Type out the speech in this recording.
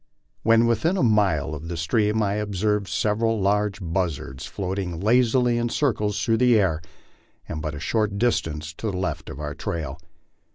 When within a mile of the stream I observed several large buzzards floating lazily in circles through the air, and but a short dis tance to the left of our trail.